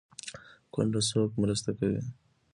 کونډه څوک مرسته کوي؟